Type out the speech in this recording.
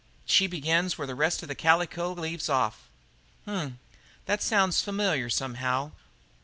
She begins where the rest of the calico leaves off." "H m! that sounds familiar, somehow.